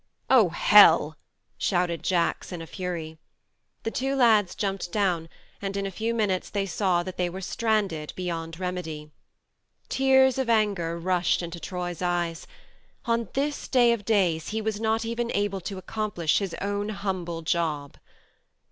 "Oh, hell!" shouted Jacks in a fury. The two lads jumped down, and in a few minutes they saw that they were stranded beyond remedy. Tears of anger rushed into Troy's eyes. On this day of days he was not even to accomplish his own humble job